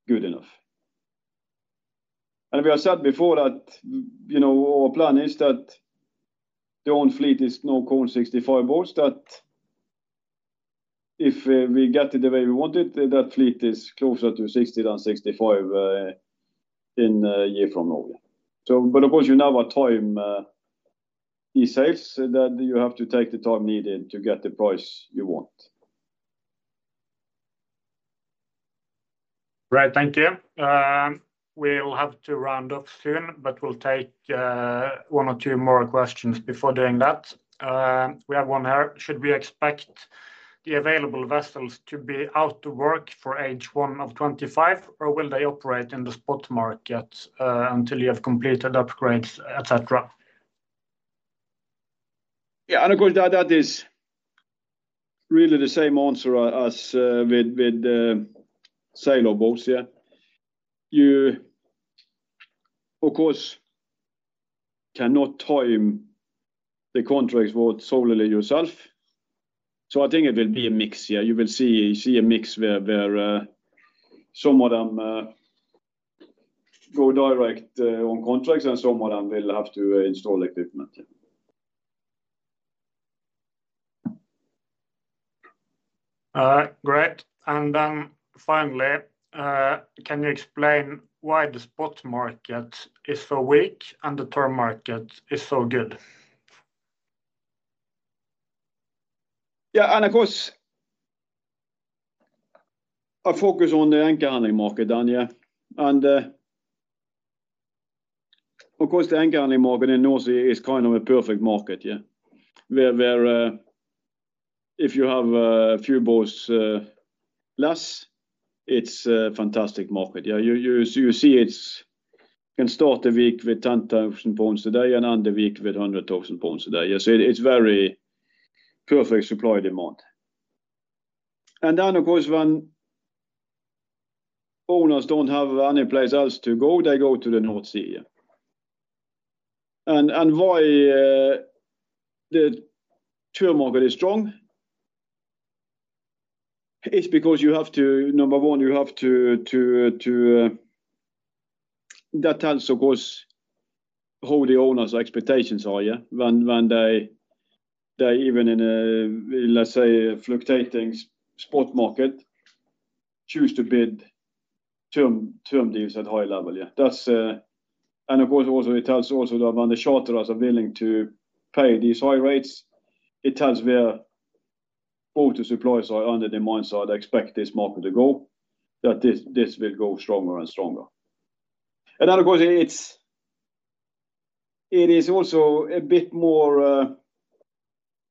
good enough. We have said before that our plan is that the own fleet is no more than 65 boats, that if we get it the way we want it, that fleet is closer to 60 than 65 in a year from now, yeah. But of course, you never time these sales, that you have to take the time needed to get the price you want. Right. Thank you. We'll have to wrap up soon, but we'll take one or two more questions before doing that. We have one here. Should we expect the available vessels to be out of work for 8-10 of 25, or will they operate in the spot market until you have completed upgrades, etc.? Yeah. And of course, that is really the same answer as with similar boats, yeah. You of course cannot time the contracts solely yourself. So I think it will be a mix, yeah. You will see a mix where some of them go direct on contracts and some of them will have to install equipment, yeah. All right. Great. And then finally, can you explain why the spot market is so weak and the term market is so good? Yeah. And of course, I focus on the anchor handling market then, yeah. And of course, the anchor handling market in the North Sea is kind of a perfect market, yeah. Where if you have a few boats less, it's a fantastic market, yeah. You see it can start a week with 10,000 pounds a day and end a week with 100,000 pounds a day, yeah. So it's very perfect supply demand. And then, of course, when owners don't have any place else to go, they go to the North Sea, yeah. And why the term market is strong is because, number one, that tells, of course, how the owners' expectations are, yeah. When they, even in, let's say, fluctuating spot market, choose to bid term deals at high level, yeah. And of course, it tells also that when the charterers are willing to pay these high rates, it tells where all the suppliers are under demand so they expect this market to go, that this will go stronger and stronger. And then, of course, it is also a bit more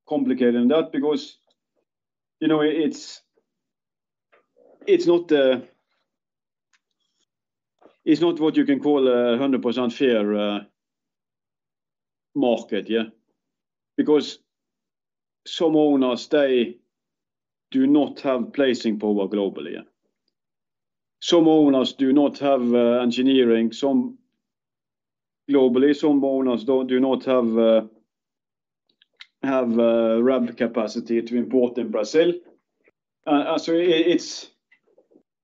complicated than that because it's not what you can call a 100% fair market, yeah. Because some owners, they do not have placing power globally, yeah. Some owners do not have engineering globally. Some owners do not have REM capacity to import in Brazil. And so it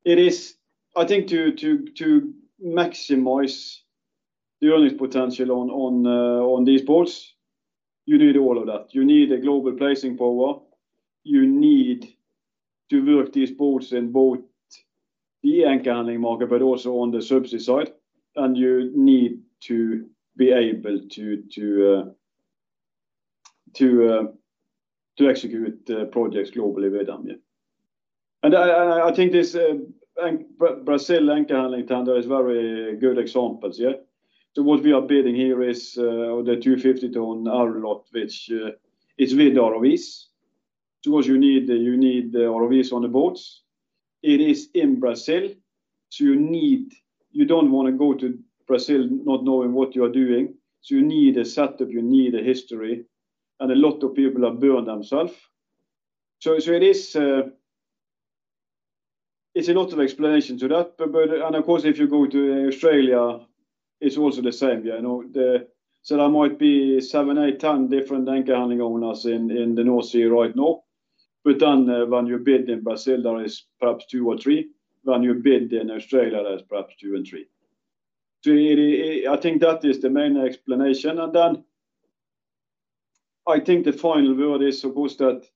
is, I think, to maximize the earnings potential on these boats, you need all of that. You need a global placing power. You need to work these boats in both the anchor handling market, but also on the subsea side. And you need to be able to execute projects globally with them, yeah. And I think Brazil anchor handling tender is very good examples, yeah. So what we are building here is the 250-ton bollard pull, which is with ROVs. So of course, you need ROVs on the boats. It is in Brazil. So you don't want to go to Brazil not knowing what you are doing. So you need a setup. You need a history. And a lot of people have burned themselves. So it's a lot of explanation to that. And of course, if you go to Australia, it's also the same, yeah. So there might be seven, eight, 10 different anchor handling owners in the North Sea right now. But then when you bid in Brazil, there is perhaps two or three. When you bid in Australia, there is perhaps two and three. So I think that is the main explanation. And then I think the final word is, of course, that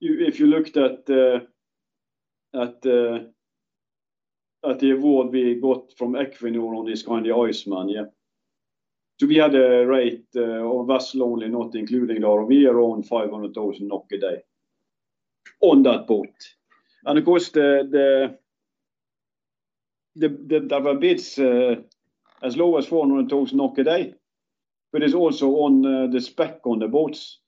if you looked at the award we got from Equinor on this Skandi Iceman, yeah. So we had a rate of vessel only, not including the ROV, around 500,000 NOK a day on that boat. Of course, there were bids as low as 400,000 NOK a day, but it's also on the spec on the boats.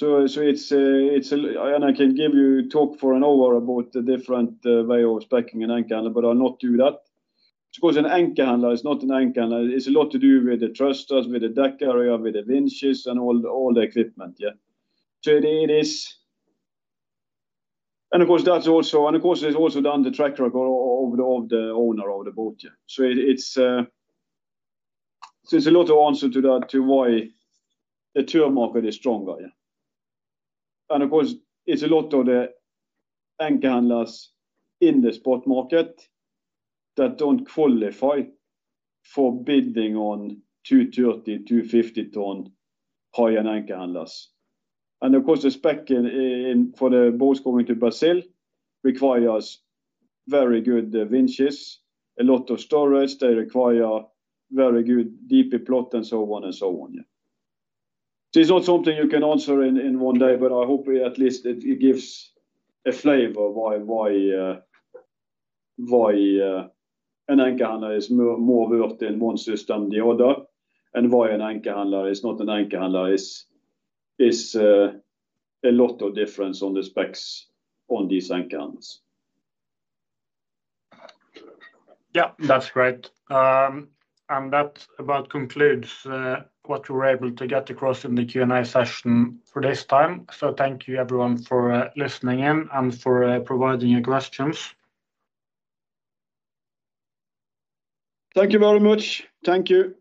So I can give you talk for an hour about the different way of speccing an anchor handler, but I'll not do that. Of course, an anchor handler is not an anchor handler. It's a lot to do with the thrusters, with the deck area, with the winches, and all the equipment, yeah. So it is, and of course, that's also, and of course, it's also then the track record of the owner of the boat, yeah. So it's a lot of answer to that, to why the term market is stronger, yeah. And of course, it's a lot of the anchor handlers in the spot market that don't qualify for bidding on 230-250-ton high-end anchor handlers. Of course, the spec for the boats going to Brazil requires very good winches, a lot of storage. They require very good bollard pull and so on and so on, yeah. It's not something you can answer in one day, but I hope at least it gives a flavor of why an anchor handler is more worthy in one system than the other, and why an anchor handler is not an anchor handler is a lot of difference on the specs on these anchor handlers. Yeah. That's great. That about concludes what we were able to get across in the Q&A session for this time. So thank you, everyone, for listening in and for providing your questions. Thank you very much. Thank you.